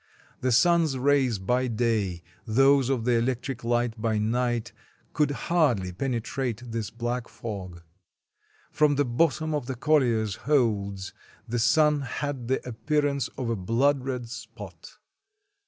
The sun's rays by day, those of the electric light by night, could hardly penetrate this black fog. From the bottom of the colliers' holds the sun had the appearance of a blood red spot.